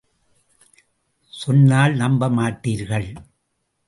சொன்னால் நம்ப மாட்டீர்கள்.